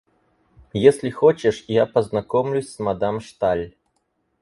Если хочешь, я познакомлюсь с мадам Шталь.